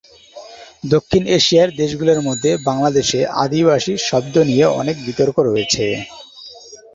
দক্ষিণ এশিয়ার দেশগুলোর মধ্যে বাংলাদেশে আদিবাসী শব্দ নিয়ে অনেক বিতর্ক রয়েছে।